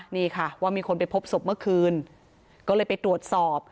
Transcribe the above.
นี่ค่ะว่ามีคนไปพบศพเมื่อคืนก็เลยไปตรวจสอบ